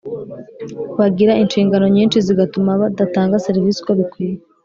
Bagira inshingano nyinshi zigatuma badatanga serivisi uko bikwiye